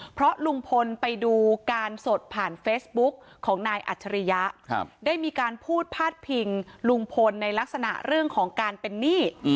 เพราะลุงพลไปดูการสดผ่านเฟซบุ๊กของนายอัจฉริยะได้มีการพูดพาดพิงลุงพลในลักษณะเรื่องของการเป็นหนี้